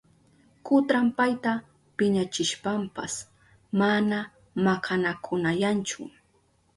Kutran payta piñachishpanpas mana makanakunayanchu.